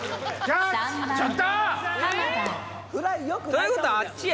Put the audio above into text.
ということはあっちや。